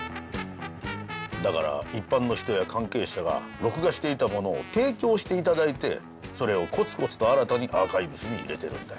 だから一般の人や関係者が録画していたものを提供して頂いてそれをこつこつと新たにアーカイブスに入れてるんだよ。